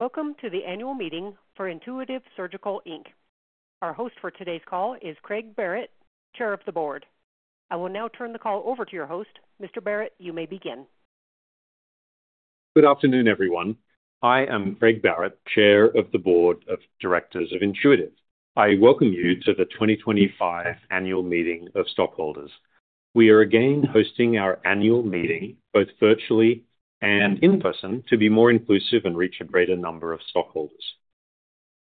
Welcome to the annual meeting for Intuitive Surgical. Our host for today's call is Craig Barratt, Chair of the Board. I will now turn the call over to your host. Mr. Barratt, you may begin. Good afternoon, everyone. I am Craig Barratt, Chair of the Board of Directors of Intuitive. I welcome you to the 2025 annual meeting of stockholders. We are again hosting our annual meeting, both virtually and in person, to be more inclusive and reach a greater number of stockholders.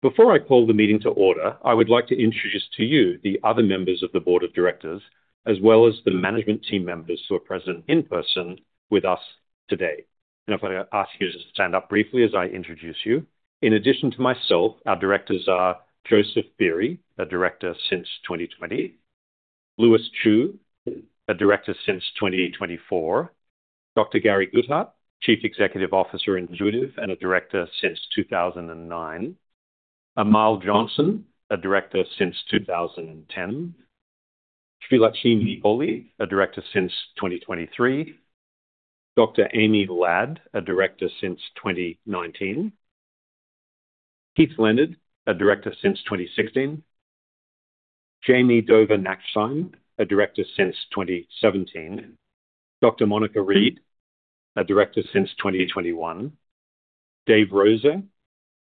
Before I call the meeting to order, I would like to introduce to you the other members of the Board of Directors, as well as the management team members who are present in person with us today. If I ask you to stand up briefly as I introduce you, in addition to myself, our Directors are Joseph Beery, a director since 2020; Louis Chu, a Director since 2024; Dr. Gary Guthart, Chief Executive Officer Intuitive and a director since 2009; Amal Johnson, a Director since 2010; Sreelakshmi Kolli, a Director since 2023; Dr. Amy Ladd, a director since 2019, Keith Leonard, a Director since 2016, Jami Dover Nachtsheim, a Director since 2017, Dr. Monica Reed, a Director since 2021, Dave Rosa,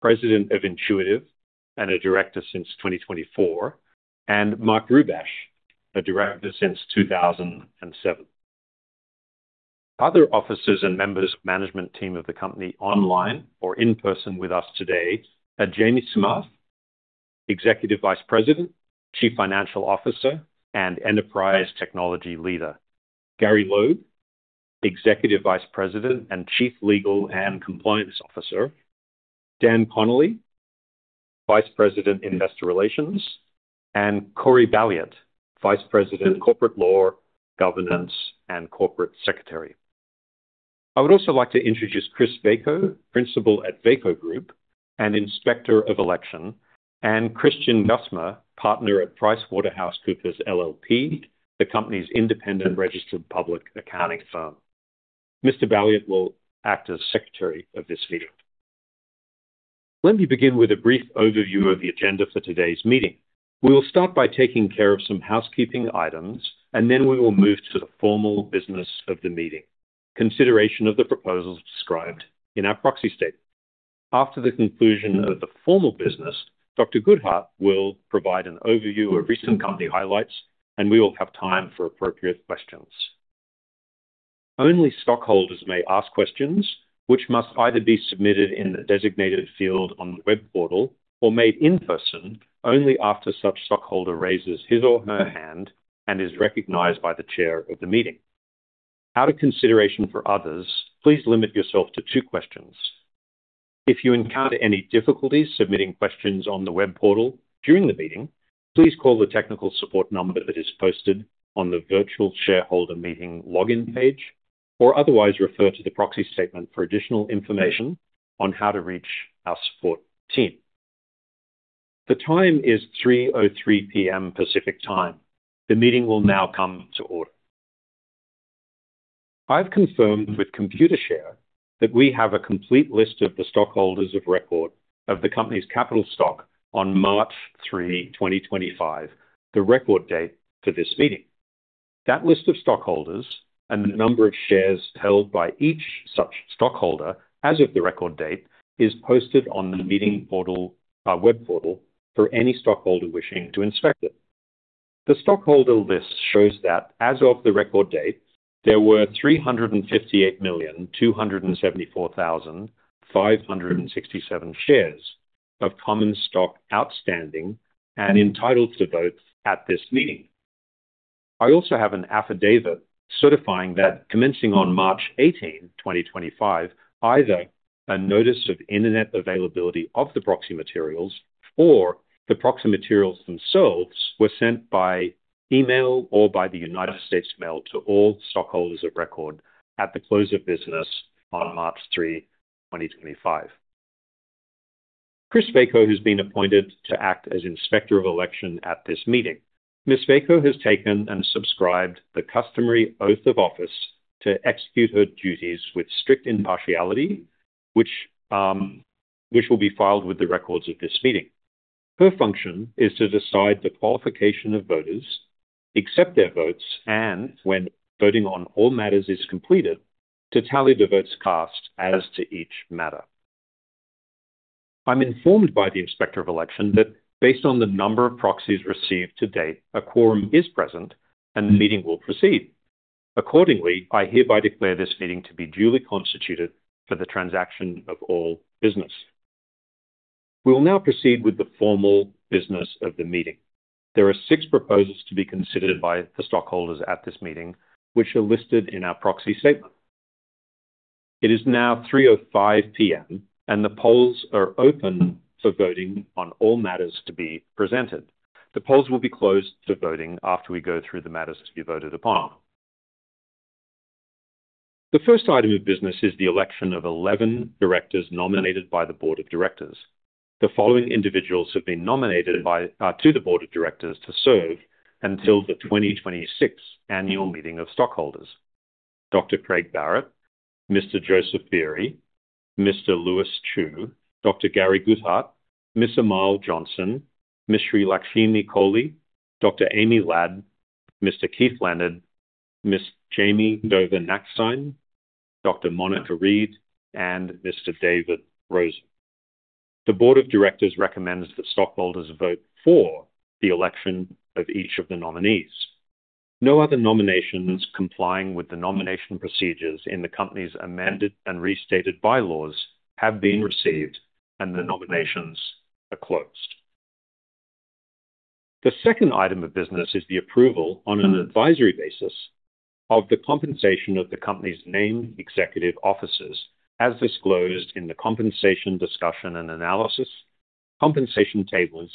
President of Intuitive and a Director since 2024, and Mark Rubash, a Director since 2007. Other officers and members of the management team of the company, online or in person with us today, are Jamie Samath, Executive Vice President, Chief Financial Officer, and Enterprise Technology Leader, Gary Loeb, Executive Vice President and Chief Legal and Compliance Officer, Dan Connolly, Vice President Investor Relations, and Corey Balliet, Vice President Corporate Law, Governance, and Corporate Secretary. I would also like to introduce Kris Veaco, Principal at Veaco Group and Inspector of Election, and Christian Gurtner, Partner at PricewaterhouseCoopers LLP, the company's independent registered public accounting firm. Mr. Balliet will act as Secretary of this meeting. Let me begin with a brief overview of the agenda for today's meeting. We will start by taking care of some housekeeping items, and then we will move to the formal business of the meeting: consideration of the proposals described in our proxy statement. After the conclusion of the formal business, Dr. Guthart will provide an overview of recent company highlights, and we will have time for appropriate questions. Only stockholders may ask questions, which must either be submitted in the designated field on the web portal or made in person only after such stockholder raises his or her hand and is recognized by the Chair of the meeting. Out of consideration for others, please limit yourself to two questions. If you encounter any difficulties submitting questions on the web portal during the meeting, please call the technical support number that is posted on the virtual shareholder meeting login page, or otherwise refer to the proxy statement for additional information on how to reach our support team. The time is 3:03 P.M. Pacific Time. The meeting will now come to order. I have confirmed with Computershare that we have a complete list of the stockholders of record of the company's capital stock on March 3, 2025, the record date for this meeting. That list of stockholders and the number of shares held by each such stockholder, as of the record date, is posted on the meeting portal, our web portal, for any stockholder wishing to inspect it. The stockholder list shows that, as of the record date, there were 358,274,567 shares of common stock outstanding and entitled to vote at this meeting. I also have an affidavit certifying that, commencing on March 18, 2025, either a notice of internet availability of the proxy materials or the proxy materials themselves were sent by email or by the United States Mail to all stockholders of record at the close of business on March 3, 2025. Kris Veaco, who's been appointed to act as Inspector of Election at this meeting. Ms. Veaco has taken and subscribed the customary oath of office to execute her duties with strict impartiality, which will be filed with the records of this meeting. Her function is to decide the qualification of voters, accept their votes, and when voting on all matters is completed, to tally the votes cast as to each matter. I'm informed by the Inspector of Election that, based on the number of proxies received to date, a quorum is present and the meeting will proceed. Accordingly, I hereby declare this meeting to be duly constituted for the transaction of all business. We will now proceed with the formal business of the meeting. There are six proposals to be considered by the stockholders at this meeting, which are listed in our proxy statement. It is now 3:05 P.M., and the polls are open for voting on all matters to be presented. The polls will be closed for voting after we go through the matters to be voted upon. The first item of business is the election of 11 directors nominated by the Board of Directors. The following individuals have been nominated to the Board of Directors to serve until the 2026 annual meeting of stockholders: Dr. Craig Barratt, Mr. Joseph Beery, Mr. Louis Chu, Dr. Gary Guthart, Ms. Amal Johnson, Ms. Sreelakshmi Kolli, Dr. Amy Ladd, Mr. Keith Leonard, Ms. Jami Dover Nachtsheim, Dr. Monica Reed, and Mr. David Rosa. The Board of Directors recommends that stockholders vote for the election of each of the nominees. No other nominations complying with the nomination procedures in the company's amended and restated bylaws have been received, and the nominations are closed. The second item of business is the approval, on an advisory basis, of the compensation of the company's named executive officers, as disclosed in the compensation discussion and analysis, compensation tables,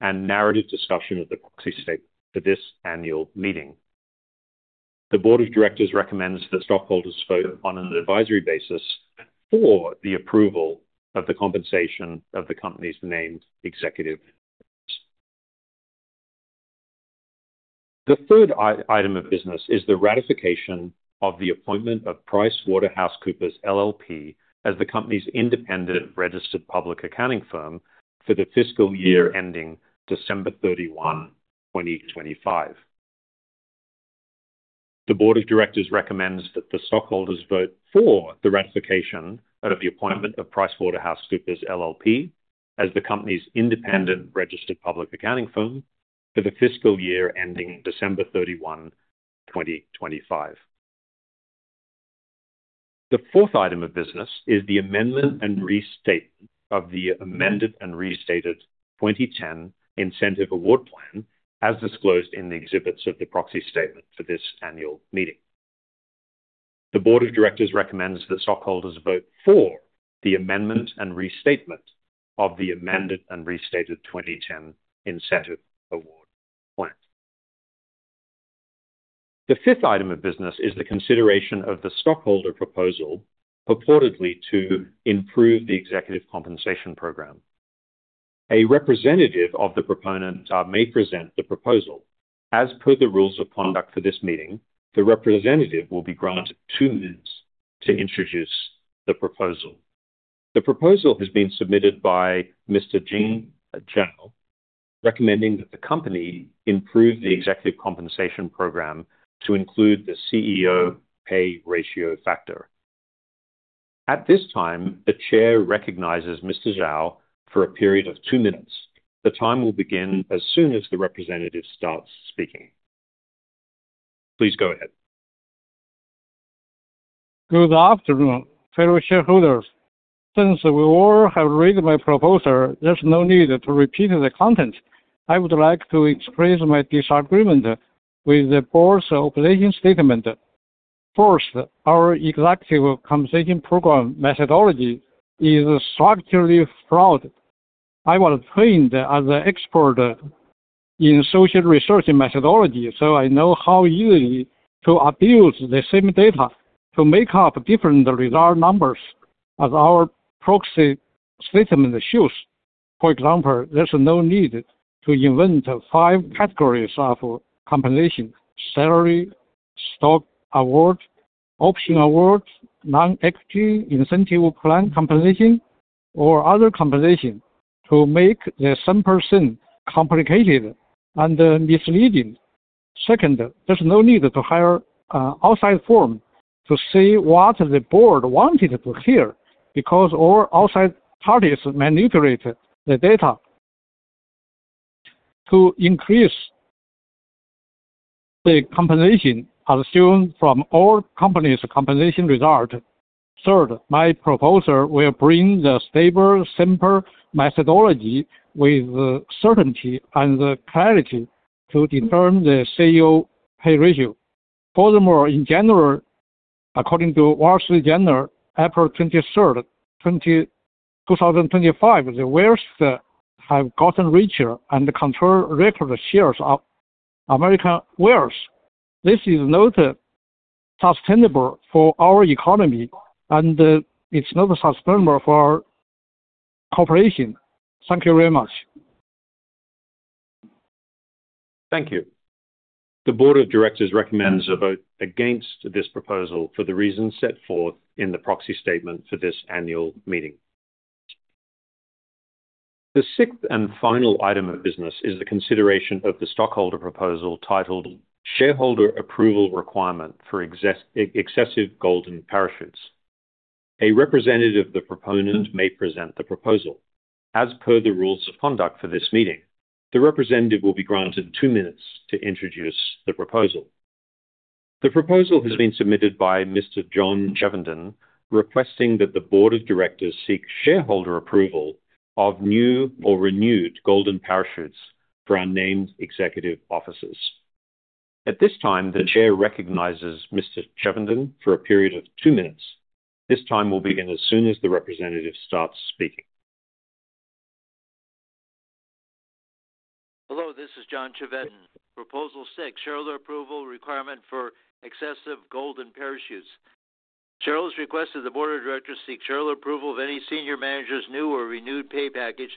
and narrative discussion of the proxy statement for this annual meeting. The Board of Directors recommends that stockholders vote on an advisory basis for the approval of the compensation of the company's named executive officers. The third item of business is the ratification of the appointment of PricewaterhouseCoopers LLP as the company's independent registered public accounting firm for the fiscal year ending December 31, 2025. The Board of Directors recommends that the stockholders vote for the ratification of the appointment of PricewaterhouseCoopers LLP as the company's independent registered public accounting firm for the fiscal year ending December 31, 2025. The fourth item of business is the amendment and restatement of the amended and restated 2010 incentive award plan, as disclosed in the exhibits of the proxy statement for this annual meeting. The Board of Directors recommends that stockholders vote for the amendment and restatement of the amended and restated 2010 incentive award plan. The fifth item of business is the consideration of the stockholder proposal purportedly to improve the executive compensation program. A representative of the proponent may present the proposal. As per the rules of conduct for this meeting, the representative will be granted two minutes to introduce the proposal. The proposal has been submitted by Mr. Jing Zhao, recommending that the company improve the executive compensation program to include the CEO pay ratio factor. At this time, a chair recognizes Mr. Zhao for a period of two minutes. The time will begin as soon as the representative starts speaking. Please go ahead. Good afternoon, fellow shareholders. Since we all have read my proposal, there's no need to repeat the content. I would like to express my disagreement with the board's operating statement. First, our executive compensation program methodology is structurally flawed. I was trained as an expert in social research methodology, so I know how easily to abuse the same data to make up different result numbers as our proxy statement shows. For example, there's no need to invent five categories of compensation: salary, stock award, option award, non-equity incentive plan compensation, or other compensation to make the 10% complicated and misleading. Second, there's no need to hire an outside firm to say what the board wanted to hear because all outside parties manipulate the data. To increase the compensation assumed from all companies' compensation result. Third, my proposal will bring the stable, simple methodology with the certainty and the clarity to determine the CEO pay ratio. Furthermore, in general, according to Wall Street Journal, April 23, 2025, the whales have gotten richer and control record shares of American wealth. This is not sustainable for our economy, and it's not sustainable for our corporation. Thank you very much. Thank you. The Board of Directors recommends a vote against this proposal for the reasons set forth in the proxy statement for this annual meeting. The sixth and final item of business is the consideration of the stockholder proposal titled "Shareholder Approval Requirement for Excessive Golden Parachutes." A representative of the proponent may present the proposal. As per the rules of conduct for this meeting, the representative will be granted two minutes to introduce the proposal. The proposal has been submitted by Mr. John Chevedden, requesting that the Board of Directors seek shareholder approval of new or renewed golden parachutes for our named executive officers. At this time, the chair recognizes Mr. Chevedden for a period of two minutes. This time will begin as soon as the representative starts speaking. Hello, this is John Chevedden. Proposal six, shareholder approval requirement for excessive golden parachutes. Shareholders requests that the Board of Directors seek shareholder approval of any senior manager's new or renewed pay package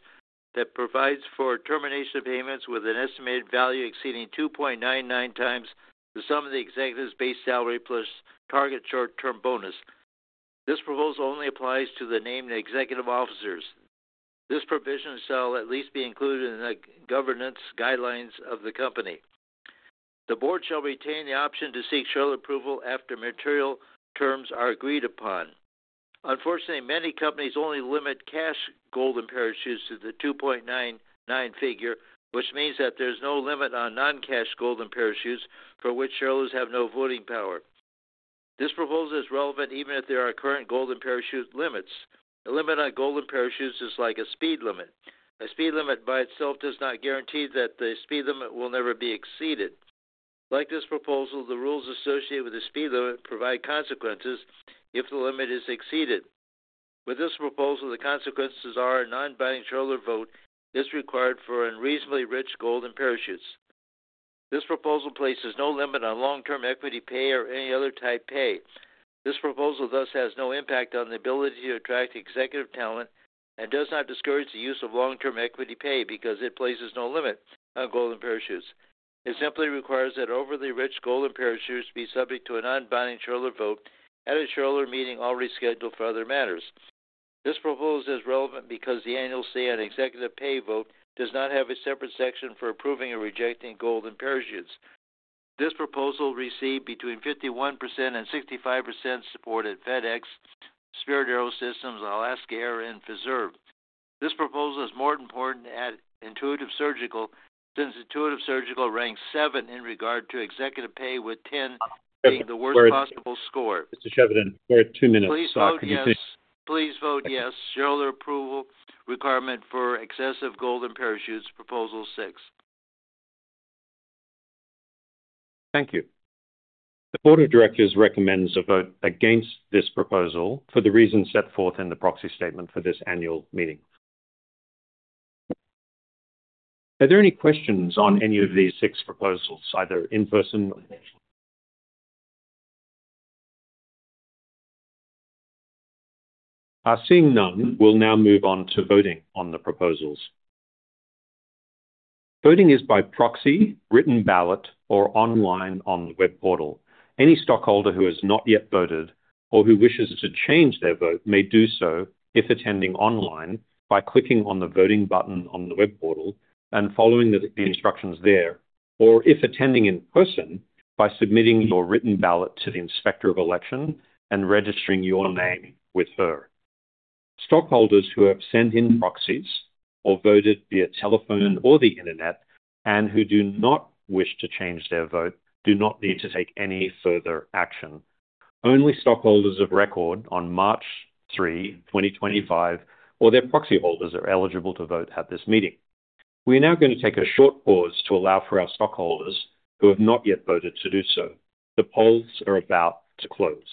that provides for termination payments with an estimated value exceeding 2.99 times the sum of the executive's base salary plus target short-term bonus. This proposal only applies to the named executive officers. This provision shall at least be included in the governance guidelines of the company. The board shall retain the option to seek shareholder approval after material terms are agreed upon. Unfortunately, many companies only limit cash golden parachutes to the 2.99 figure, which means that there's no limit on non-cash golden parachutes for which shareholders have no voting power. This proposal is relevant even if there are current golden parachute limits. The limit on golden parachutes is like a speed limit. A speed limit by itself does not guarantee that the speed limit will never be exceeded. Like this proposal, the rules associated with the speed limit provide consequences if the limit is exceeded. With this proposal, the consequences are a non-binding shareholder vote is required for unreasonably rich golden parachutes. This proposal places no limit on long-term equity pay or any other type pay. This proposal thus has no impact on the ability to attract executive talent and does not discourage the use of long-term equity pay because it places no limit on golden parachutes. It simply requires that overly rich golden parachutes be subject to a non-binding shareholder vote at a shareholder meeting already scheduled for other matters. This proposal is relevant because the annual state and executive pay vote does not have a separate section for approving or rejecting golden parachutes. This proposal received between 51% and 65% support at FedEx, Spirit AeroSystems, Alaska Air, and Pfizer. This proposal is more important at Intuitive Surgical since Intuitive Surgical ranks seven in regard to executive pay with 10 being the worst possible score. Mr. Chevedden, for two minutes. Please vote yes. Shareholder approval requirement for excessive golden parachutes, proposal six. Thank you. The Board of Directors recommends a vote against this proposal for the reasons set forth in the proxy statement for this annual meeting. Are there any questions on any of these six proposals, either in person? Seeing none, we'll now move on to voting on the proposals. Voting is by proxy, written ballot, or online on the web portal. Any stockholder who has not yet voted or who wishes to change their vote may do so if attending online by clicking on the voting button on the web portal and following the instructions there, or if attending in person by submitting your written ballot to the Inspector of Election and registering your name with her. Stockholders who have sent in proxies or voted via telephone or the internet and who do not wish to change their vote do not need to take any further action. Only stockholders of record on March 3, 2025, or their proxy holders are eligible to vote at this meeting. We are now going to take a short pause to allow for our stockholders who have not yet voted to do so. The polls are about to close.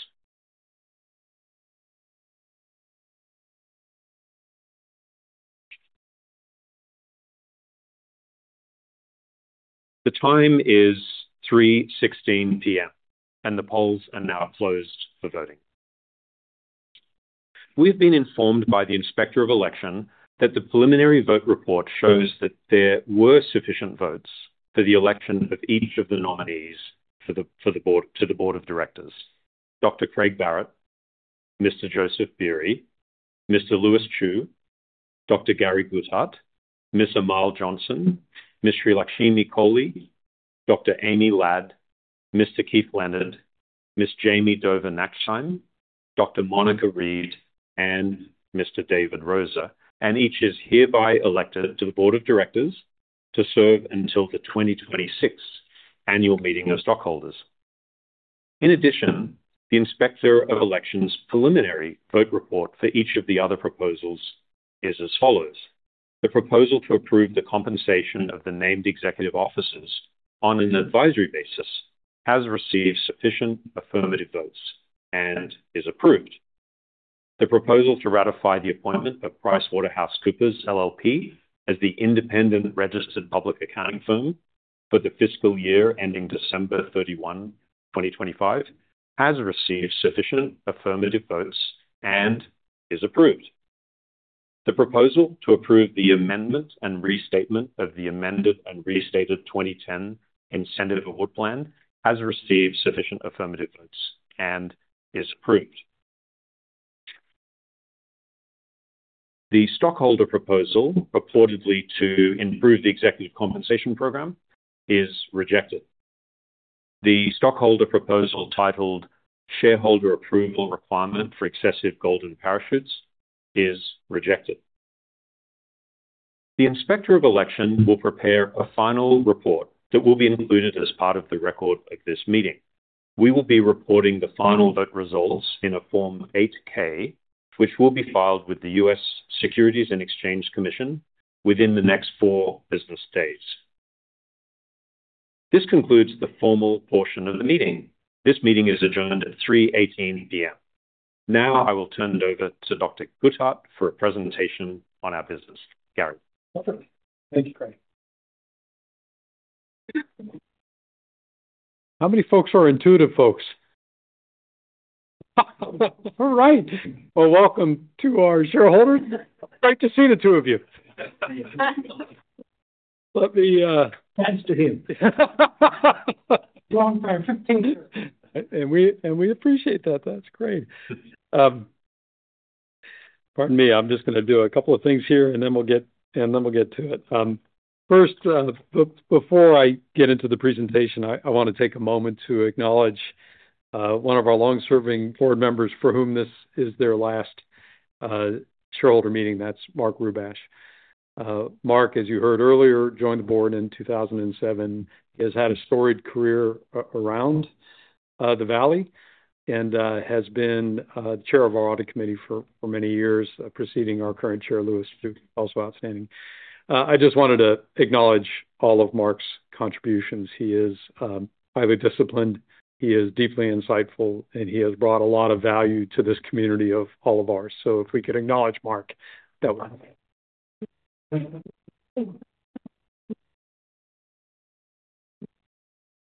The time is 3:16 P.M., and the polls are now closed for voting. We have been informed by the Inspector of Election that the preliminary vote report shows that there were sufficient votes for the election of each of the nominees for the board to the Board of Directors: Dr. Craig Barratt, Mr. Joseph Beery, Mr. Louis Chu, Dr. Gary Guthart, Ms. Amal Johnson, Ms. Sreelakshmi Kolli, Dr. Amy Ladd, Mr. Keith Leonard, Ms. Jami Dover Nachtsheim, Dr. Monica Reed, and Mr. David Rosa. Each is hereby elected to the Board of Directors to serve until the 2026 annual meeting of stockholders. In addition, the Inspector of Election's preliminary vote report for each of the other proposals is as follows: The proposal to approve the compensation of the named executive officers on an advisory basis has received sufficient affirmative votes and is approved. The proposal to ratify the appointment of PricewaterhouseCoopers LLP as the independent registered public accounting firm for the fiscal year ending December 31, 2025, has received sufficient affirmative votes and is approved. The proposal to approve the amendment and restatement of the amended and restated 2010 incentive award plan has received sufficient affirmative votes and is approved. The stockholder proposal purportedly to improve the executive compensation program is rejected. The stockholder proposal titled "Shareholder Approval Requirement for Excessive Golden Parachutes" is rejected. The Inspector of Election will prepare a final report that will be included as part of the record of this meeting. We will be reporting the final vote results in a Form 8-K, which will be filed with the U.S. Securities and Exchange Commission within the next four business days. This concludes the formal portion of the meeting. This meeting is adjourned at 3:18 P.M. Now I will turn it over to Dr. Guthart for a presentation on our business. Gary. Thank you, Craig. How many folks are Intuitive folks? All right. Welcome to our shareholders. Great to see the two of you. Thanks to him. We appreciate that. That's great. Pardon me, I'm just going to do a couple of things here, and then we'll get to it. First, before I get into the presentation, I want to take a moment to acknowledge one of our long-serving board members for whom this is their last shareholder meeting. That's Mark Rubash. Mark, as you heard earlier, joined the board in 2007. He has had a storied career around the Valley and has been chair of our audit committee for many years, preceding our current chair, Louis. Also outstanding. I just wanted to acknowledge all of Mark's contributions. He is highly disciplined. He is deeply insightful, and he has brought a lot of value to this community of all of ours. If we could acknowledge Mark, that would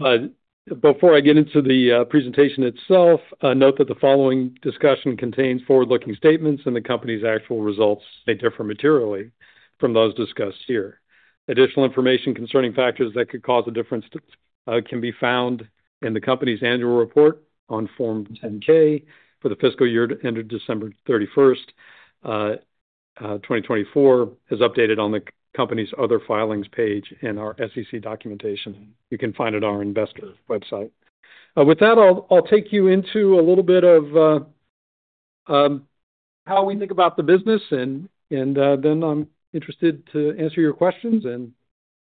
help. Before I get into the presentation itself, note that the following discussion contains forward-looking statements and the company's actual results may differ materially from those discussed here. Additional information concerning factors that could cause a difference can be found in the company's annual report on Form 10-K for the fiscal year ended December 31, 2024, as updated on the company's other filings page and our SEC documentation. You can find it on our investor website. With that, I'll take you into a little bit of how we think about the business, and then I'm interested to answer your questions, and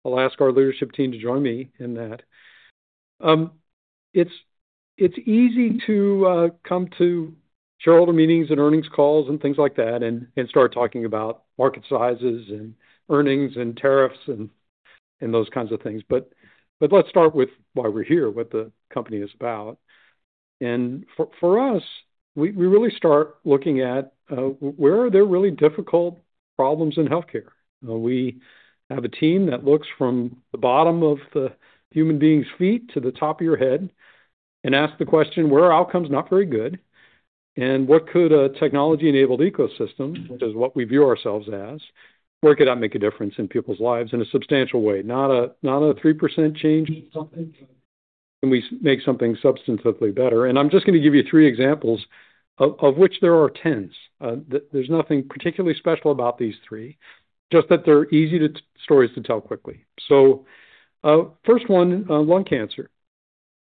I'll ask our leadership team to join me in that. It's easy to come to shareholder meetings and earnings calls and things like that and start talking about market sizes and earnings and tariffs and those kinds of things. Let's start with why we're here, what the company is about. For us, we really start looking at where are there really difficult problems in healthcare. We have a team that looks from the bottom of the human being's feet to the top of your head and asks the question, "Where are outcomes not very good? And what could a technology-enabled ecosystem, which is what we view ourselves as, where could that make a difference in people's lives in a substantial way? Not a 3% change. Can we make something substantively better?" I'm just going to give you three examples of which there are tens. There's nothing particularly special about these three, just that they're easy stories to tell quickly. First one, lung cancer.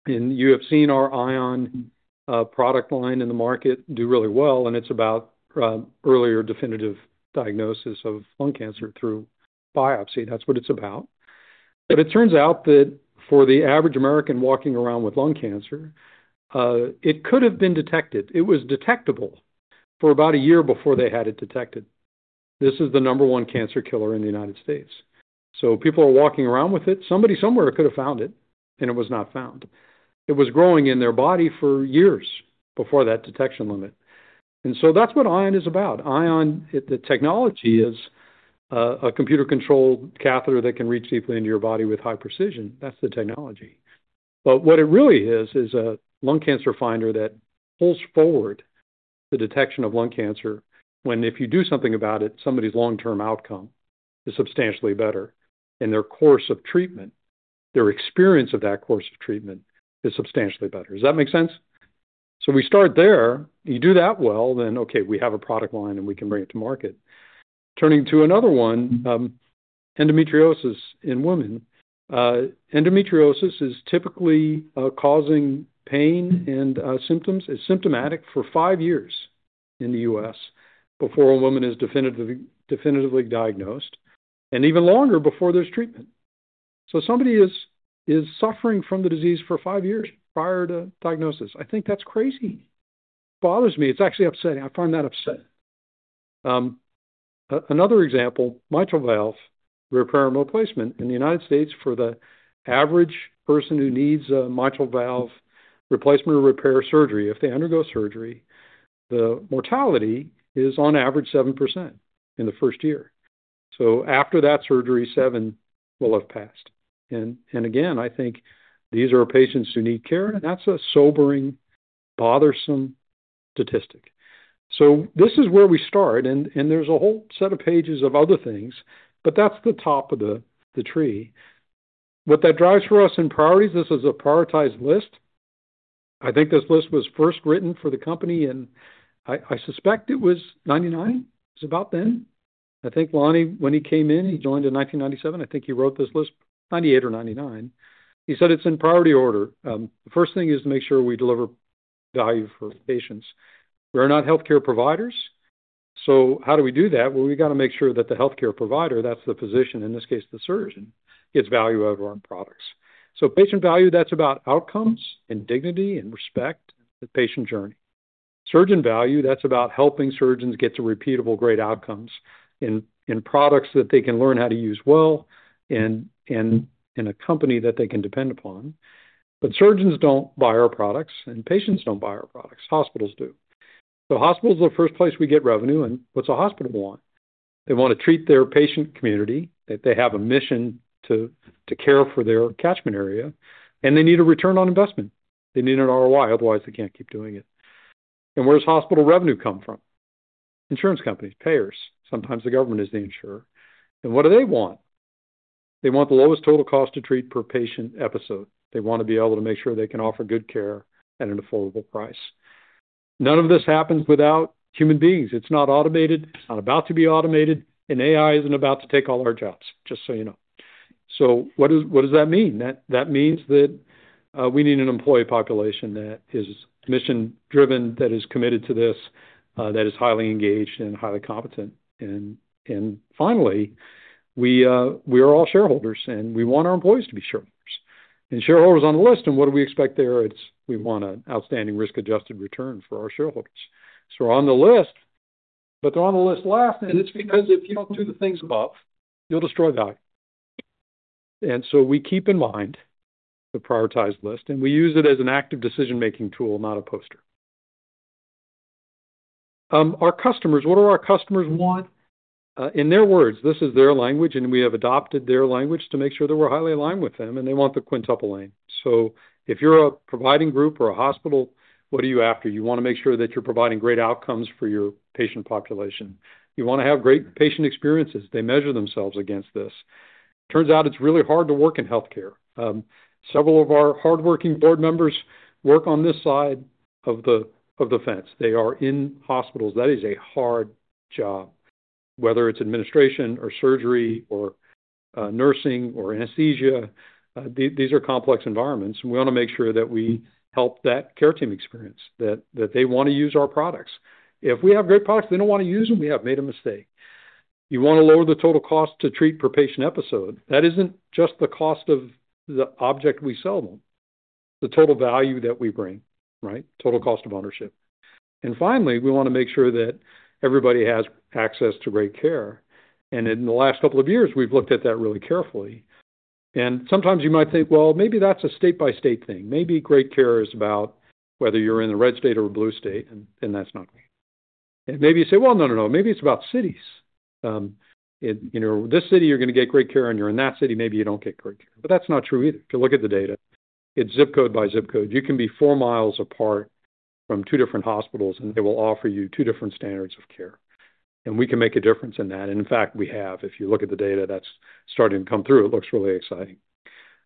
You have seen our Ion product line in the market do really well, and it's about earlier definitive diagnosis of lung cancer through biopsy. That's what it's about. It turns out that for the average American walking around with lung cancer, it could have been detected. It was detectable for about a year before they had it detected. This is the number one cancer killer in the United States. People are walking around with it. Somebody somewhere could have found it, and it was not found. It was growing in their body for years before that detection limit. That's what Ion is about. Ion, the technology is a computer-controlled catheter that can reach deeply into your body with high precision. That's the technology. What it really is, is a lung cancer finder that pulls forward the detection of lung cancer when, if you do something about it, somebody's long-term outcome is substantially better, and their course of treatment, their experience of that course of treatment is substantially better. Does that make sense? We start there. You do that well, then, okay, we have a product line and we can bring it to market. Turning to another one, endometriosis in women. Endometriosis is typically causing pain and symptoms. It's symptomatic for five years in the U.S. before a woman is definitively diagnosed and even longer before there's treatment. Somebody is suffering from the disease for five years prior to diagnosis. I think that's crazy. It bothers me. It's actually upsetting. I find that upsetting. Another example, mitral valve repair and replacement. In the United States, for the average person who needs a mitral valve replacement or repair surgery, if they undergo surgery, the mortality is on average 7% in the first year. After that surgery, seven will have passed. I think these are patients who need care, and that's a sobering, bothersome statistic. This is where we start, and there's a whole set of pages of other things, but that's the top of the tree. What that drives for us in priorities, this is a prioritized list. I think this list was first written for the company, and I suspect it was 1999, it was about then. I think Lonnie, when he came in, he joined in 1997. I think he wrote this list 1998 or 1999. He said, "It's in priority order. The first thing is to make sure we deliver value for patients. We're not healthcare providers, so how do we do that? We got to make sure that the healthcare provider, that's the physician, in this case, the surgeon, gets value out of our products. Patient value, that's about outcomes and dignity and respect the patient journey. Surgeon value, that's about helping surgeons get to repeatable great outcomes in products that they can learn how to use well and in a company that they can depend upon. Surgeons don't buy our products, and patients don't buy our products. Hospitals do. Hospitals are the first place we get revenue, and what's a hospital want? They want to treat their patient community. They have a mission to care for their catchment area, and they need a return on investment. They need an ROI, otherwise they can't keep doing it. Where's hospital revenue come from? Insurance companies, payers. Sometimes the government is the insurer. And what do they want? They want the lowest total cost to treat per patient episode. They want to be able to make sure they can offer good care at an affordable price. None of this happens without human beings. It's not automated. It's not about to be automated. And AI isn't about to take all our jobs, just so you know. What does that mean? That means that we need an employee population that is mission-driven, that is committed to this, that is highly engaged and highly competent. Finally, we are all shareholders, and we want our employees to be shareholders. Shareholders on the list, and what do we expect there? We want an outstanding risk-adjusted return for our shareholders. We're on the list, but they're on the list last, and it's because if you don't do the things above, you'll destroy the value. We keep in mind the prioritized list, and we use it as an active decision-making tool, not a poster. Our customers, what do our customers want? In their words, this is their language, and we have adopted their language to make sure that we're highly aligned with them, and they want the quintuple aim. If you're a providing group or a hospital, what are you after? You want to make sure that you're providing great outcomes for your patient population. You want to have great patient experiences. They measure themselves against this. Turns out it's really hard to work in healthcare. Several of our hardworking board members work on this side of the fence. They are in hospitals. That is a hard job, whether it's administration or surgery or nursing or anesthesia. These are complex environments, and we want to make sure that we help that care team experience, that they want to use our products. If we have great products they don't want to use them, we have made a mistake. You want to lower the total cost to treat per patient episode. That isn't just the cost of the object we sell them, the total value that we bring, right? Total cost of ownership. Finally, we want to make sure that everybody has access to great care. In the last couple of years, we've looked at that really carefully. Sometimes you might think, "Well, maybe that's a state-by-state thing. Maybe great care is about whether you're in the red state or blue state, and that's not great. Maybe you say, "No, no, no. Maybe it's about cities. In this city, you're going to get great care, and you're in that city, maybe you don't get great care." That's not true either. If you look at the data, it's zip code by zip code. You can be four miles apart from two different hospitals, and they will offer you two different standards of care. We can make a difference in that. In fact, we have. If you look at the data that's starting to come through, it looks really exciting.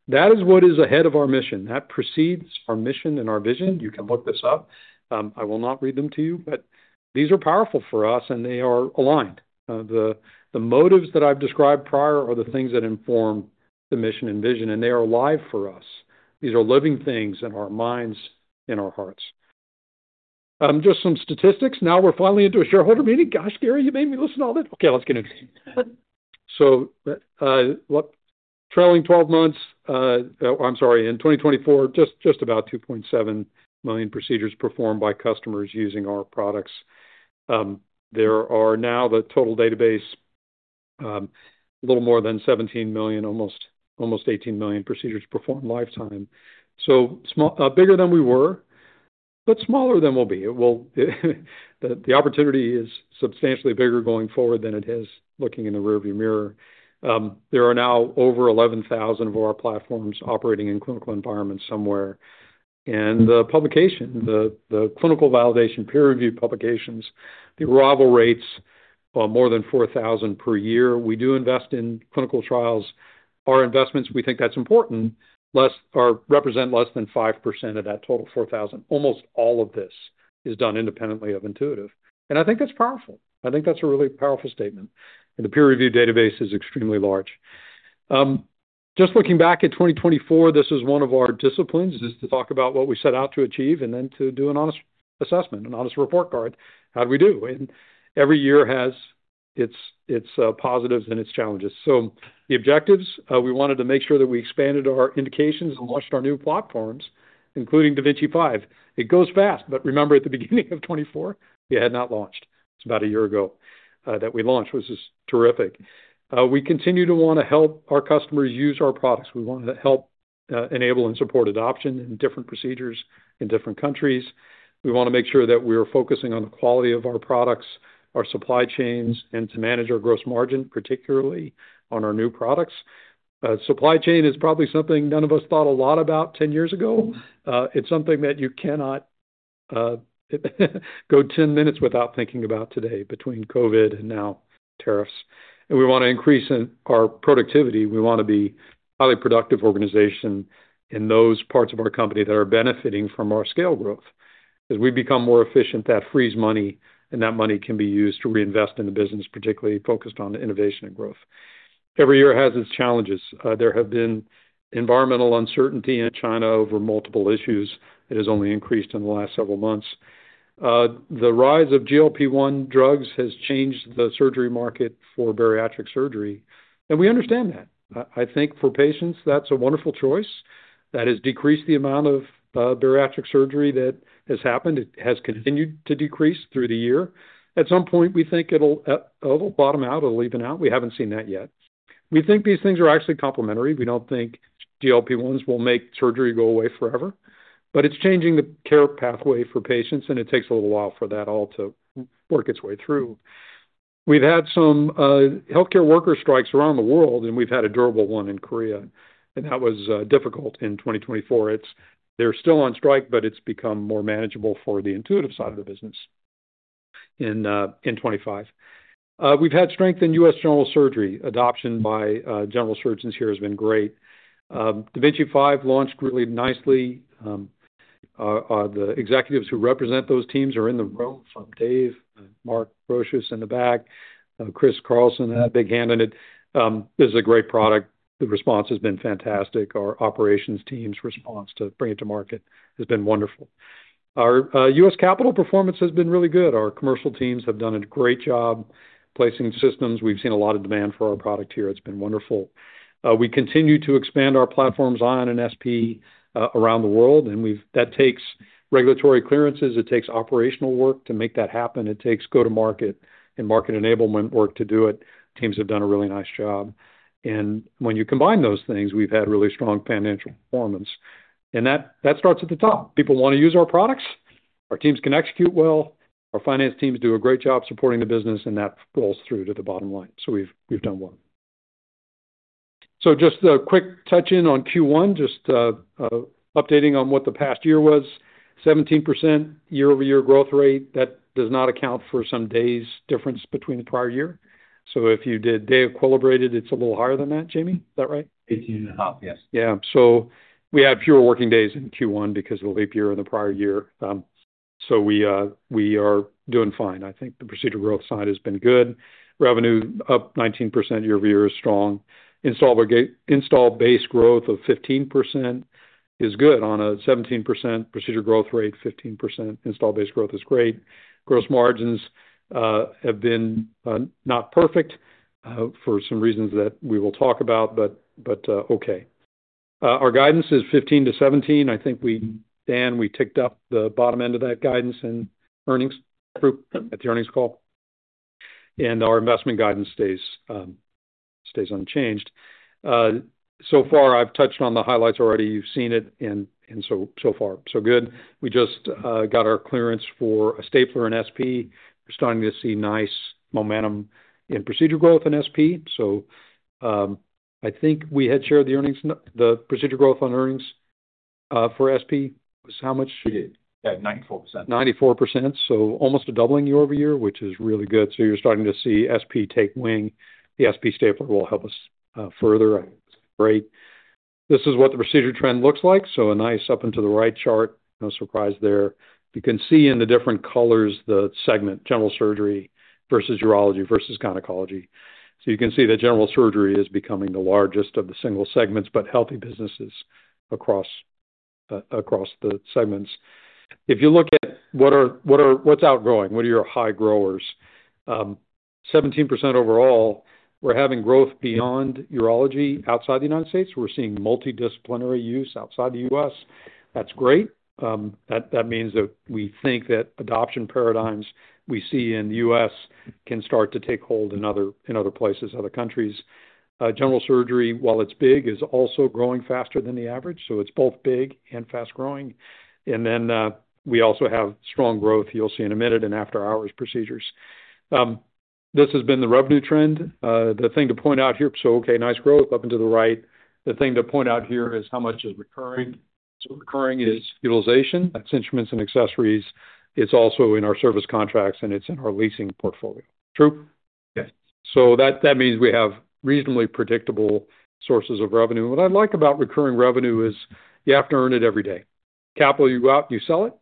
That is what is ahead of our mission. That precedes our mission and our vision. You can look this up. I will not read them to you, but these are powerful for us, and they are aligned. The motives that I've described prior are the things that inform the mission and vision, and they are alive for us. These are living things in our minds, in our hearts. Just some statistics. Now we're finally into a shareholder meeting. Gosh, Gary, you made me listen to all that. Okay, let's get into it. Trailing 12 months, I'm sorry, in 2024, just about 2.7 million procedures performed by customers using our products. There are now the total database, a little more than 17 million, almost 18 million procedures performed in lifetime. Bigger than we were, but smaller than we'll be. The opportunity is substantially bigger going forward than it is looking in the rearview mirror. There are now over 11,000 of our platforms operating in clinical environments somewhere. The publication, the clinical validation peer-reviewed publications, the arrival rates are more than 4,000 per year. We do invest in clinical trials. Our investments, we think that's important, represent less than 5% of that total 4,000. Almost all of this is done independently of Intuitive. I think that's powerful. I think that's a really powerful statement. The peer-reviewed database is extremely large. Just looking back at 2024, this is one of our disciplines, is to talk about what we set out to achieve and then to do an honest assessment, an honest report card. How did we do? Every year has its positives and its challenges. The objectives, we wanted to make sure that we expanded our indications and launched our new platforms, including da Vinci 5. It goes fast, but remember at the beginning of 2024, we had not launched. It's about a year ago that we launched, which is terrific. We continue to want to help our customers use our products. We want to help enable and support adoption in different procedures in different countries. We want to make sure that we are focusing on the quality of our products, our supply chains, and to manage our gross margin, particularly on our new products. Supply chain is probably something none of us thought a lot about 10 years ago. It's something that you cannot go 10 minutes without thinking about today between COVID and now tariffs. We want to increase our productivity. We want to be a highly productive organization in those parts of our company that are benefiting from our scale growth. As we become more efficient, that frees money, and that money can be used to reinvest in the business, particularly focused on innovation and growth. Every year has its challenges. There have been environmental uncertainty in China over multiple issues. It has only increased in the last several months. The rise of GLP-1 drugs has changed the surgery market for bariatric surgery. We understand that. I think for patients, that's a wonderful choice. That has decreased the amount of bariatric surgery that has happened. It has continued to decrease through the year. At some point, we think it'll bottom out. It'll even out. We haven't seen that yet. We think these things are actually complementary. We don't think GLP-1s will make surgery go away forever. It's changing the care pathway for patients, and it takes a little while for that all to work its way through. We've had some healthcare worker strikes around the world, and we've had a durable one in Korea. That was difficult in 2024. They're still on strike, but it's become more manageable for the Intuitive side of the business in 2025. We've had strength in U.S. general surgery. Adoption by general surgeons here has been great. Da Vinci 5 launched really nicely. The executives who represent those teams are in the row from Dave, Mark Brosius in the back, Chris Carlson in that big hand in it. This is a great product. The response has been fantastic. Our operations team's response to bring it to market has been wonderful. Our U.S. capital performance has been really good. Our commercial teams have done a great job placing systems. We've seen a lot of demand for our product here. It's been wonderful. We continue to expand our platforms on an SP around the world, and that takes regulatory clearances. It takes operational work to make that happen. It takes go-to-market and market-enablement work to do it. Teams have done a really nice job. When you combine those things, we've had really strong financial performance. That starts at the top. People want to use our products. Our teams can execute well. Our finance teams do a great job supporting the business, and that falls through to the bottom line. We've done well. Just a quick touch-in on Q1, just updating on what the past year was. 17% year-over-year growth rate. That does not account for some days' difference between the prior year. If you did day-equilibrated, it's a little higher than that, Jamie. Is that right? 18 and a half, yes. Yeah. We had fewer working days in Q1 because of the leap year in the prior year. We are doing fine. I think the procedure growth side has been good. Revenue up 19% year-over-year is strong. Install-based growth of 15% is good on a 17% procedure growth rate. 15% install-based growth is great. Gross margins have been not perfect for some reasons that we will talk about, but okay. Our guidance is 15-17%. I think we, Dan, we ticked up the bottom end of that guidance and earnings group at the earnings call. And our investment guidance stays unchanged. So far, I've touched on the highlights already. You've seen it, and so far, so good. We just got our clearance for a stapler and SP. We're starting to see nice momentum in procedure growth and SP. I think we had shared the earnings, the procedure growth on earnings for SP. It was how much? She did. Yeah, 94%. 94%. Almost a doubling year-over-year, which is really good. You're starting to see SP take wing. The SP stapler will help us further upgrade. This is what the procedure trend looks like. A nice up and to the right chart, no surprise there. You can see in the different colors the segment, general surgery versus urology versus gynecology. You can see that general surgery is becoming the largest of the single segments, but healthy businesses across the segments. If you look at what's outgoing, what are your high growers? 17% overall. We're having growth beyond urology outside the U.S. We're seeing multidisciplinary use outside the U.S. That's great. That means that we think that adoption paradigms we see in the U.S. can start to take hold in other places, other countries. General surgery, while it's big, is also growing faster than the average. It's both big and fast-growing. We also have strong growth, you'll see in a minute, in after-hours procedures. This has been the revenue trend. The thing to point out here, nice growth up and to the right. The thing to point out here is how much is recurring. Recurring is utilization. That's instruments and accessories. It's also in our service contracts, and it's in our leasing portfolio. True? Yes. That means we have reasonably predictable sources of revenue. What I like about recurring revenue is you have to earn it every day. Capital, you go out, you sell it.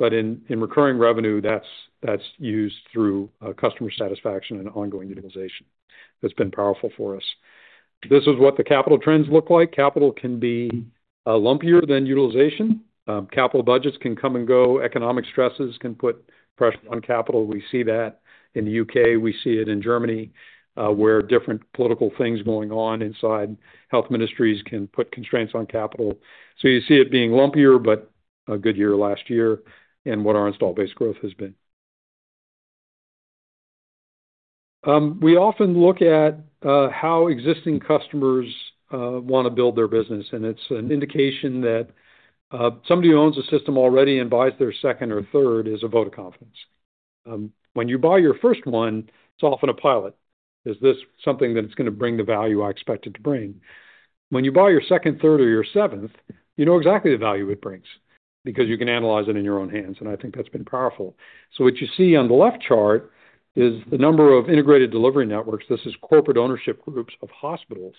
In recurring revenue, that's used through customer satisfaction and ongoing utilization. That's been powerful for us. This is what the capital trends look like. Capital can be lumpier than utilization. Capital budgets can come and go. Economic stresses can put pressure on capital. We see that in the U.K. We see it in Germany, where different political things going on inside health ministries can put constraints on capital. You see it being lumpier, but a good year last year in what our install-based growth has been. We often look at how existing customers want to build their business. It is an indication that somebody who owns a system already and buys their second or third is a vote of confidence. When you buy your first one, it is often a pilot. Is this something that is going to bring the value I expect it to bring? When you buy your second, third, or your seventh, you know exactly the value it brings because you can analyze it in your own hands. I think that has been powerful. What you see on the left chart is the number of integrated delivery networks. This is corporate ownership groups of hospitals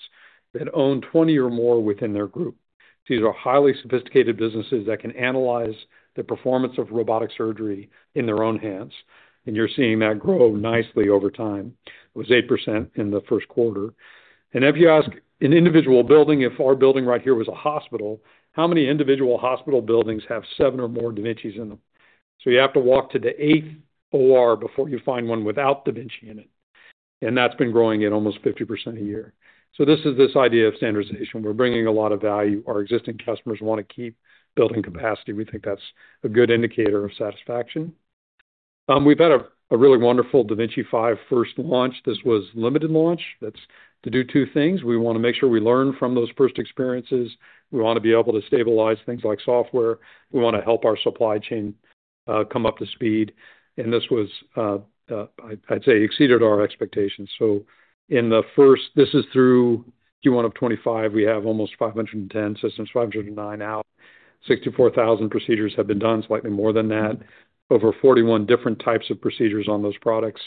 that own 20 or more within their group. These are highly sophisticated businesses that can analyze the performance of robotic surgery in their own hands. You are seeing that grow nicely over time. It was 8% in the first quarter. If you ask an individual building, if our building right here was a hospital, how many individual hospital buildings have seven or more da Vincis in them? You have to walk to the eighth OR before you find one without da Vinci in it. That has been growing at almost 50% a year. This is this idea of standardization. We are bringing a lot of value. Our existing customers want to keep building capacity. We think that is a good indicator of satisfaction. We have had a really wonderful da Vinci 5 first launch. This was a limited launch. That is to do two things. We want to make sure we learn from those first experiences. We want to be able to stabilize things like software. We want to help our supply chain come up to speed. This was, I'd say, exceeded our expectations. In the first, this is through Q1 of 2025, we have almost 510 systems, 509 out. 64,000 procedures have been done, slightly more than that. Over 41 different types of procedures on those products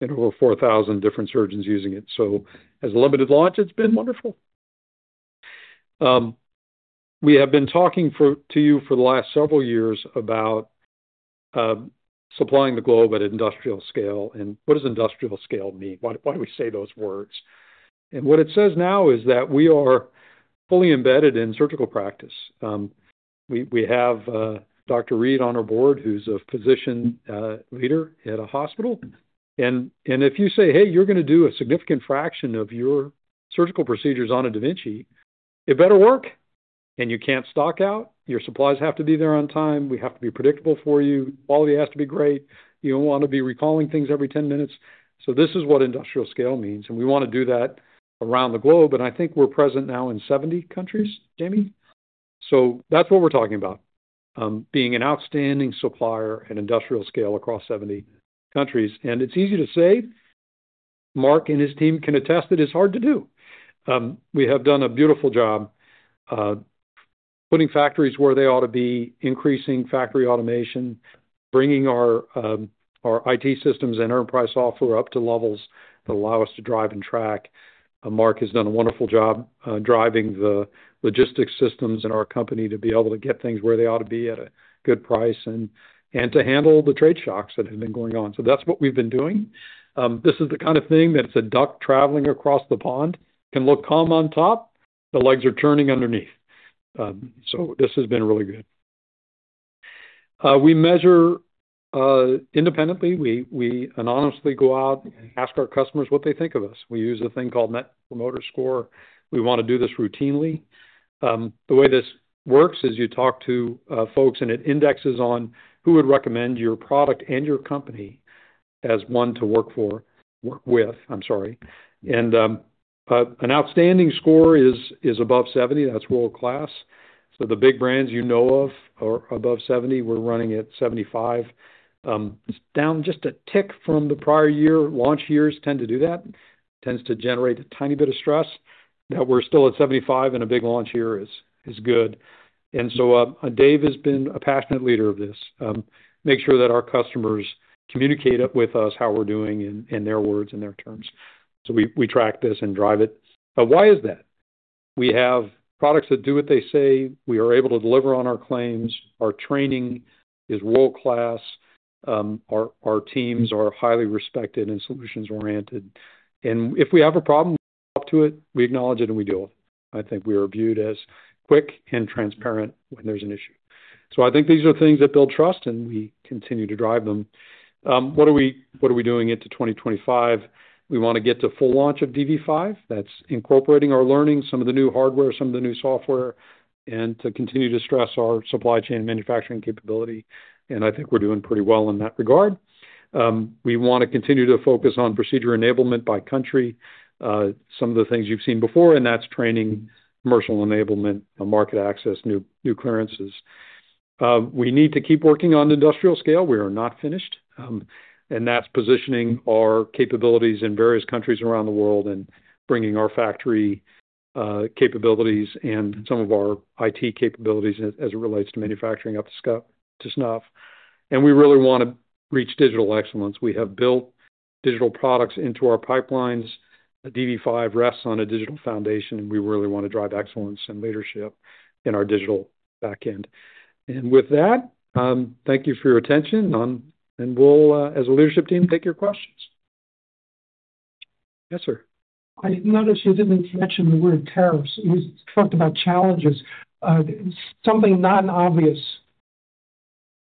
and over 4,000 different surgeons using it. As a limited launch, it's been wonderful. We have been talking to you for the last several years about supplying the globe at industrial scale. What does industrial scale mean? Why do we say those words? What it says now is that we are fully embedded in surgical practice. We have Dr. Reed on our board, who's a physician leader at a hospital. If you say, "Hey, you're going to do a significant fraction of your surgical procedures on a da Vinci, it better work," and you can't stock out, your supplies have to be there on time, we have to be predictable for you, quality has to be great, you don't want to be recalling things every 10 minutes. This is what industrial scale means. We want to do that around the globe. I think we're present now in 70 countries, Jamie. That's what we're talking about, being an outstanding supplier at industrial scale across 70 countries. It's easy to say. Mark and his team can attest that it's hard to do. We have done a beautiful job putting factories where they ought to be, increasing factory automation, bringing our IT systems and enterprise software up to levels that allow us to drive and track. Mark has done a wonderful job driving the logistics systems in our company to be able to get things where they ought to be at a good price and to handle the trade shocks that have been going on. That is what we have been doing. This is the kind of thing that is a duck traveling across the pond. It can look calm on top. The legs are turning underneath. This has been really good. We measure independently. We anonymously go out and ask our customers what they think of us. We use a thing called Net Promoter Score. We want to do this routinely. The way this works is you talk to folks, and it indexes on who would recommend your product and your company as one to work with, I am sorry. An outstanding score is above 70. That is world-class. The big brands you know of are above 70. We're running at 75. Down just a tick from the prior year. Launch years tend to do that. Tends to generate a tiny bit of stress. That we're still at 75 in a big launch year is good. Dave has been a passionate leader of this. Make sure that our customers communicate with us how we're doing in their words and their terms. We track this and drive it. Why is that? We have products that do what they say. We are able to deliver on our claims. Our training is world-class. Our teams are highly respected and solutions-oriented. If we have a problem up to it, we acknowledge it and we deal with it. I think we are viewed as quick and transparent when there's an issue. I think these are things that build trust, and we continue to drive them. What are we doing into 2025? We want to get to full launch of DV5. That's incorporating our learnings, some of the new hardware, some of the new software, and to continue to stress our supply chain and manufacturing capability. I think we're doing pretty well in that regard. We want to continue to focus on procedure enablement by country. Some of the things you've seen before, and that's training, commercial enablement, market access, new clearances. We need to keep working on industrial scale. We are not finished. That's positioning our capabilities in various countries around the world and bringing our factory capabilities and some of our IT capabilities as it relates to manufacturing up to snuff. We really want to reach digital excellence. We have built digital products into our pipelines. DV5 rests on a digital foundation, and we really want to drive excellence and leadership in our digital backend. With that, thank you for your attention. We'll, as a leadership team, take your questions. Yes, sir. I noticed you didn't mention the word tariffs. You talked about challenges, something not obvious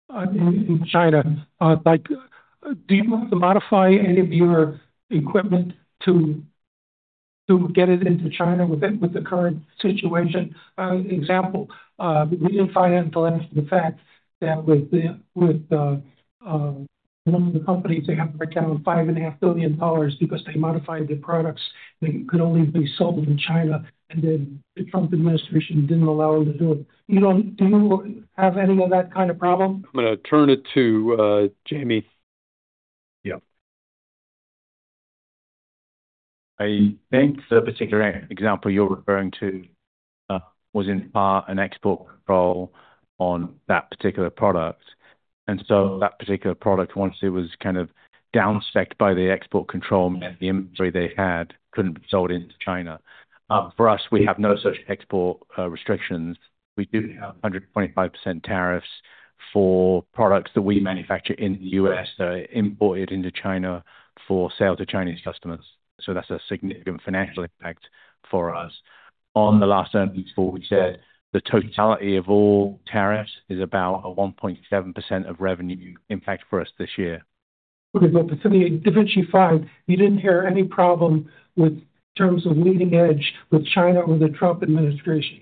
in China. Do you want to modify any of your equipment to get it into China with the current situation? Example, the new financial and the fact that with some of the companies, they have to break down $5.5 billion because they modified their products that could only be sold in China, and then the Trump administration didn't allow them to do it. You don't have any of that kind of problem? I'm going to turn it to Jamie. Yeah. I think the particular example you're referring to was in part an export control on that particular product. That particular product, once it was kind of downspecced by the export control and the inventory they had, couldn't be sold into China. For us, we have no such export restrictions. We do have 125% tariffs for products that we manufacture in the U.S. that are imported into China for sale to Chinese customers. That's a significant financial impact for us. On the last earnings call, we said the totality of all tariffs is about a 1.7% of revenue impact for us this year. Okay, but for da Vinci 5, you didn't hear any problem with terms of leading edge with China or the Trump administration?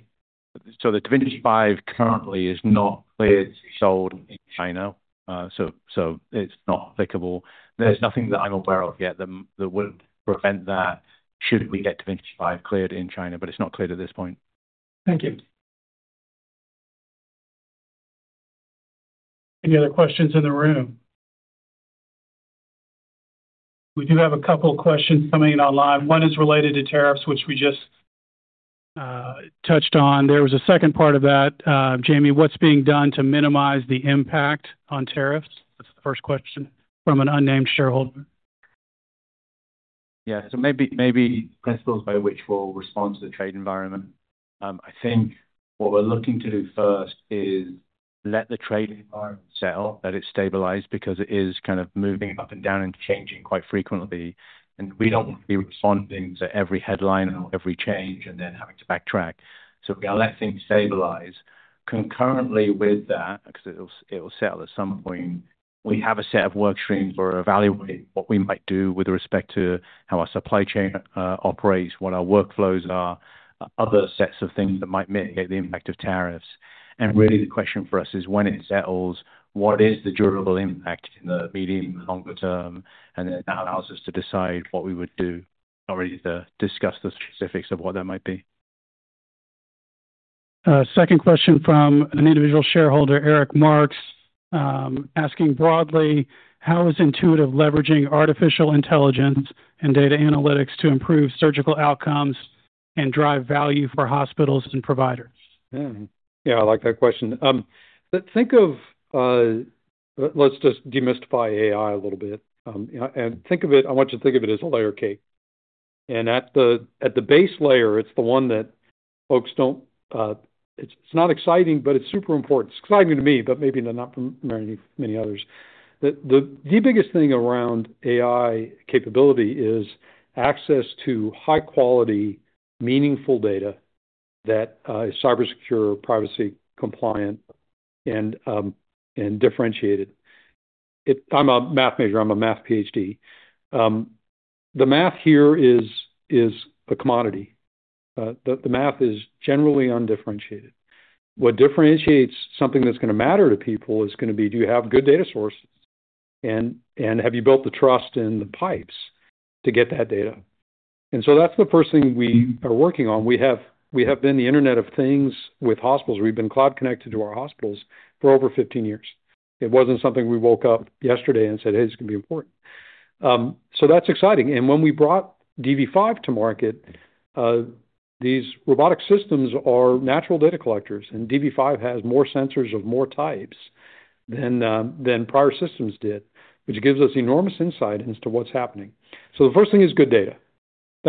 The da Vinci 5 currently is not cleared to be sold in China. It's not applicable. There's nothing that I'm aware of yet that would prevent that should we get da Vinci 5 cleared in China, but it's not cleared at this point. Thank you. Any other questions in the room? We do have a couple of questions coming in online. One is related to tariffs, which we just touched on. There was a second part of that. Jamie, what's being done to minimize the impact on tariffs? That's the first question from an unnamed shareholder. Yeah, maybe principles by which we'll respond to the trade environment. I think what we're looking to do first is let the trade environment settle, let it stabilize because it is kind of moving up and down and changing quite frequently. We don't want to be responding to every headline and every change and then having to backtrack. We've got to let things stabilize. Concurrently with that, because it'll settle at some point, we have a set of workstreams where we're evaluating what we might do with respect to how our supply chain operates, what our workflows are, other sets of things that might mitigate the impact of tariffs. Really the question for us is when it settles, what is the durable impact in the medium and longer term, and then that allows us to decide what we would do already to discuss the specifics of what that might be. Second question from an individual shareholder, Eric Marks, asking broadly, how is Intuitive leveraging artificial intelligence and data analytics to improve surgical outcomes and drive value for hospitals and providers? Yeah, I like that question. Let's just demystify AI a little bit. Think of it, I want you to think of it as a layer cake. At the base layer, it's the one that folks don't, it's not exciting, but it's super important. It's exciting to me, but maybe not for many, many others. The biggest thing around AI capability is access to high-quality, meaningful data that is cybersecure, privacy compliant, and differentiated. I'm a math major. I'm a math PhD. The math here is a commodity. The math is generally undifferentiated. What differentiates something that's going to matter to people is going to be, do you have good data sources? Have you built the trust in the pipes to get that data? That is the first thing we are working on. We have been the Internet of Things with hospitals. We've been cloud-connected to our hospitals for over 15 years. It wasn't something we woke up yesterday and said, "Hey, this is going to be important." That is exciting. When we brought DV5 to market, these robotic systems are natural data collectors. DV5 has more sensors of more types than prior systems did, which gives us enormous insight into what's happening. The first thing is good data.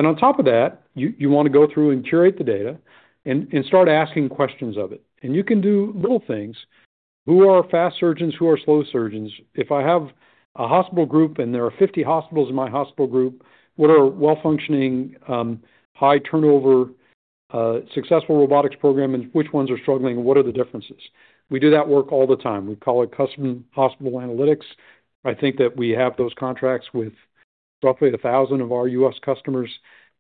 On top of that, you want to go through and curate the data and start asking questions of it. You can do little things. Who are fast surgeons? Who are slow surgeons? If I have a hospital group and there are 50 hospitals in my hospital group, what are well-functioning, high-turnover, successful robotics programs, and which ones are struggling? What are the differences? We do that work all the time. We call it Custom Hospital Analytics. I think that we have those contracts with roughly 1,000 of our US customers.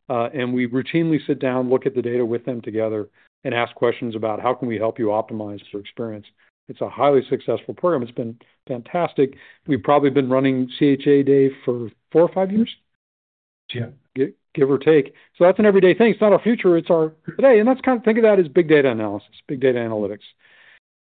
We routinely sit down, look at the data with them together, and ask questions about how can we help you optimize your experience. It's a highly successful program. It's been fantastic. We've probably been running CHA today for four or five years, give or take. That's an everyday thing. It's not our future. It's our today. Kind of think of that as big data analysis, big data analytics.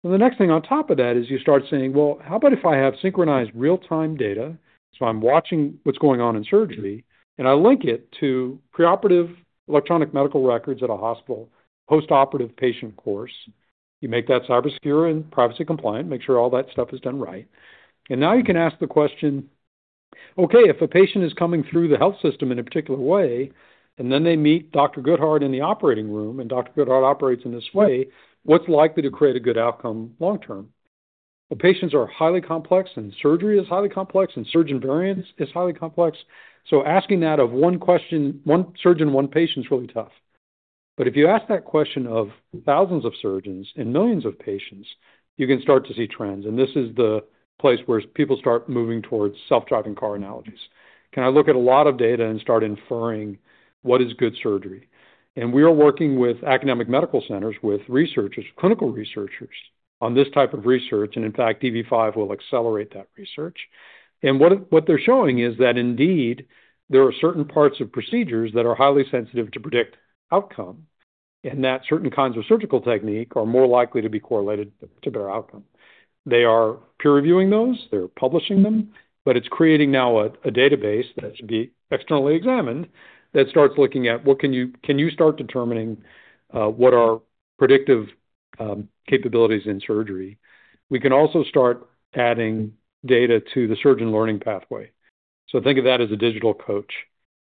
The next thing on top of that is you start saying, "Well, how about if I have synchronized real-time data?" I'm watching what's going on in surgery, and I link it to preoperative electronic medical records at a hospital, post-operative patient course. You make that cybersecure and privacy compliant, make sure all that stuff is done right. You can ask the question, "Okay, if a patient is coming through the health system in a particular way, and then they meet Dr. Guthart in the operating room, and Dr. Guthart operates in this way, what's likely to create a good outcome long-term?" Patients are highly complex, and surgery is highly complex, and surgeon variance is highly complex. Asking that of one surgeon, one patient is really tough. If you ask that question of thousands of surgeons and millions of patients, you can start to see trends. This is the place where people start moving towards self-driving car analogies. Can I look at a lot of data and start inferring what is good surgery? We are working with academic medical centers, with researchers, clinical researchers on this type of research. In fact, da Vinci 5 will accelerate that research. What they're showing is that indeed, there are certain parts of procedures that are highly sensitive to predict outcome, and that certain kinds of surgical technique are more likely to be correlated to better outcome. They are peer-reviewing those. They're publishing them. It is creating now a database that's being externally examined that starts looking at, "What can you start determining what are predictive capabilities in surgery?" We can also start adding data to the surgeon learning pathway. Think of that as a digital coach.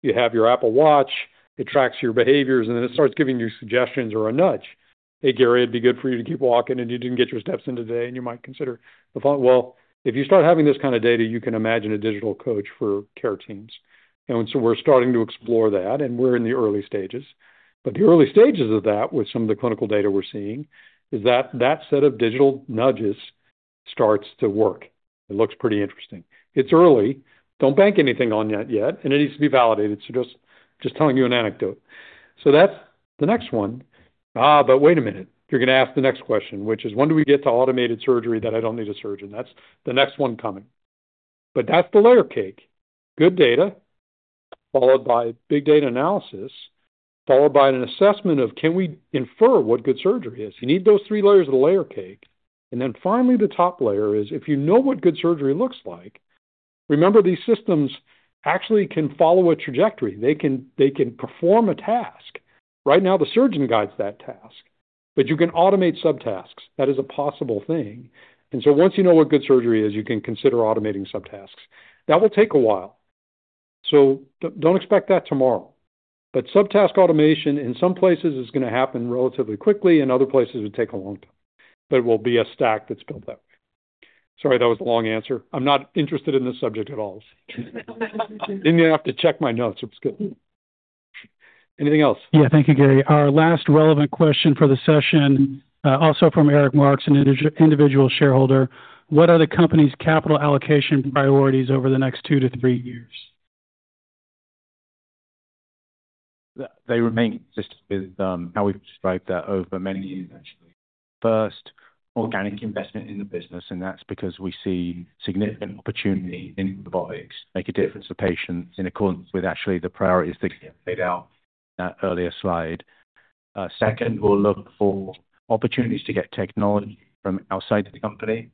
You have your Apple Watch. It tracks your behaviors, and then it starts giving you suggestions or a nudge. "Hey, Gary, it'd be good for you to keep walking, and you didn't get your steps in today, and you might consider the following." If you start having this kind of data, you can imagine a digital coach for care teams. We're starting to explore that, and we're in the early stages. The early stages of that, with some of the clinical data we're seeing, is that that set of digital nudges starts to work. It looks pretty interesting. It's early. Don't bank anything on that yet, and it needs to be validated. It's just telling you an anecdote. That's the next one. Wait a minute. You're going to ask the next question, which is, "When do we get to automated surgery that I don't need a surgeon?" That's the next one coming. That's the layer cake. Good data, followed by big data analysis, followed by an assessment of, "Can we infer what good surgery is?" You need those three layers of the layer cake. Finally, the top layer is, if you know what good surgery looks like. Remember, these systems actually can follow a trajectory. They can perform a task. Right now, the surgeon guides that task, but you can automate subtasks. That is a possible thing. Once you know what good surgery is, you can consider automating subtasks. That will take a while. Do not expect that tomorrow. Subtask automation in some places is going to happen relatively quickly. In other places, it would take a long time. It will be a stack that is built that way. Sorry, that was a long answer. I am not interested in this subject at all. Did not even have to check my notes. Anything else? Yeah, thank you, Gary. Our last relevant question for the session, also from Eric Marks, an individual shareholder. What are the company's capital allocation priorities over the next two to three years? They remain consistent with how we've described that over many years, actually. First, organic investment in the business, and that's because we see significant opportunity in robotics to make a difference for patients in accordance with actually the priorities that you laid out in that earlier slide. Second, we look for opportunities to get technology from outside the company.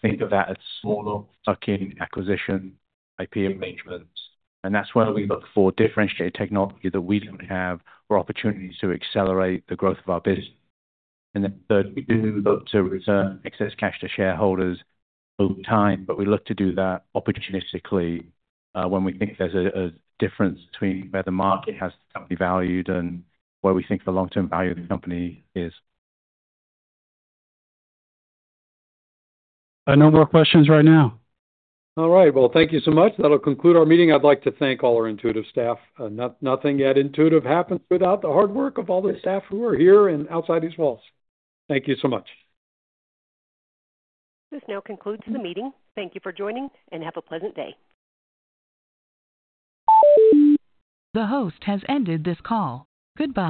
Think of that as smaller tuck-in acquisition, IP arrangements. That's where we look for differentiated technology that we don't have or opportunities to accelerate the growth of our business. Third, we do look to return excess cash to shareholders over time, but we look to do that opportunistically when we think there's a difference between where the market has the company valued and where we think the long-term value of the company is. A number of questions right now. All right. Thank you so much. That'll conclude our meeting. I'd like to thank all our Intuitive staff. Nothing at Intuitive happens without the hard work of all the staff who are here and outside these walls. Thank you so much. This now concludes the meeting. Thank you for joining, and have a pleasant day. The host has ended this call. Goodbye.